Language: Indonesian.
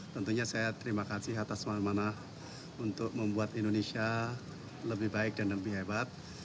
tentunya saya terima kasih atas amanah untuk membuat indonesia lebih baik dan lebih hebat